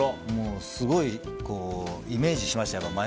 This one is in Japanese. すごいイメージしましたよ